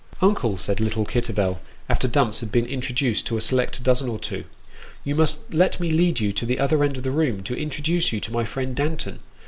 " Uncle," said little Kitterbell, after Dumps had been introduced to a select dozen or two, " you must let me lead you to the other end of the room, to introduce you to my friend Danton.